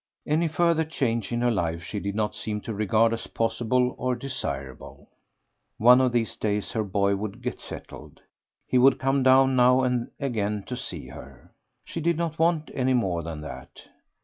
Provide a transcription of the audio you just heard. Any further change in her life she did not seem to regard as possible or desirable. One of these days her boy would get settled; he would come down now and again to see her. She did not want any more than that.